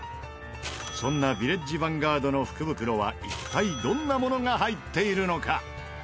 そんなヴィレッジヴァンガードの福袋は一体どんなものが入っているのか？